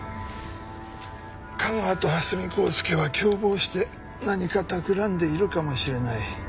架川と蓮見光輔は共謀して何かたくらんでいるかもしれない。